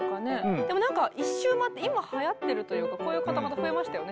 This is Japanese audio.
でもなんか一周回って今はやってるというかこういう方々増えましたよね。